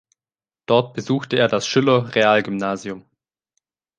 Dort besuchte er das Schiller-Realgymnasium.